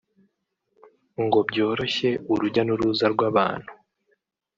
ngo byoroshye urujya n’uruza rw’abantu